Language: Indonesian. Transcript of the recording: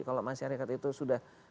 kalau masyarakat itu sudah